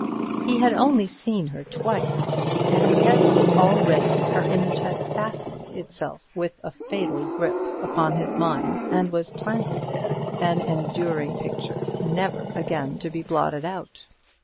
He had only seen her twice, and yet already her image had fastened itself with a fatal grip upon his mind, and was planted there an enduring picture, never again to be blotted out.